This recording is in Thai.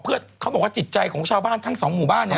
เพื่อเขาบอกว่าจิตใจของชาวบ้านทั้งสองหมู่บ้านเนี่ย